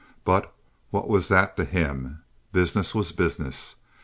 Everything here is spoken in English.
But what was that to him? Business was business.